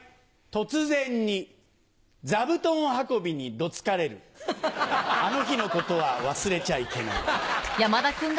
突然に座布団運びにどつかれるあの日の事は忘れちゃいけない。